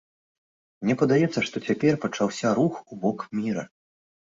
Мне падаецца, што цяпер пачаўся рух у бок міра.